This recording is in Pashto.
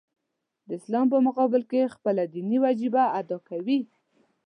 د اسلام په مقابل کې خپله دیني وجیبه ادا کوي.